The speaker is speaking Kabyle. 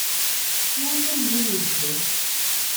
Iwacu mellul udfel?